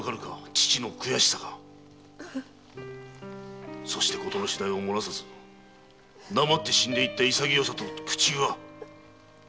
父の悔しさがそして事の次第を洩らさず黙って死んでいった潔さと苦衷が！